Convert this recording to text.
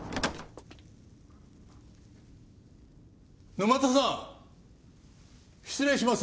沼田さん失礼します。